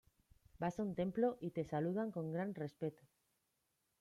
Vas a un templo y te saludan con gran respeto.